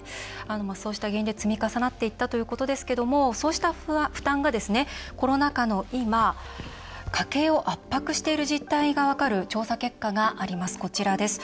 そうした原因で積み重なっていったということですけどもそうした負担が、コロナ禍の今家計を圧迫している実態が分かる調査結果があります、こちらです。